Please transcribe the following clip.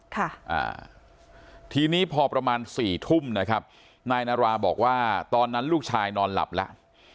ค่ะอ่าทีนี้พอประมาณสี่ทุ่มนะครับนายนาราบอกว่าตอนนั้นลูกชายนอนหลับแล้ว